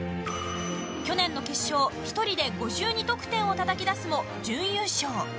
去年の決勝１人で５２得点をたたき出すも準優勝。